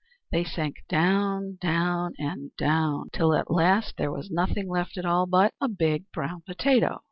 They sank down, down, and down, till at last there was nothing left at all but a big brown potato!